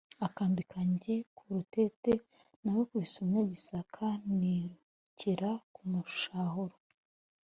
Akambi kanjye k’urutete nagakubise umunyagisaka, nirukira kumushahura